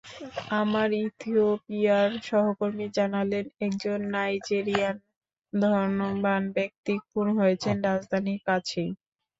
আমার ইথিওপিয়ার সহকর্মী জানালেন, একজন নাইজেরিয়ান ধনবান ব্যক্তি খুন হয়েছেন রাজধানীর কাছেই।